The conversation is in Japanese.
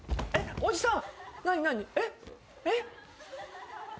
おじさん！